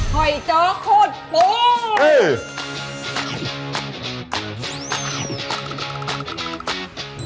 หอยจ้อโคตรปู